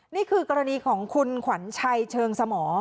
นี่คือกรณีของคุณขวัญชัยเชิงสมอ